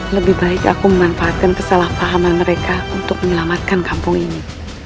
lebih baik aku memanfaatkan kesalahpahaman mereka untuk menyelamatkan kampung ini